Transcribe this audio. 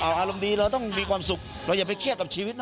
อารมณ์ดีเราต้องมีความสุขเราอย่าไปเครียดกับชีวิตนะ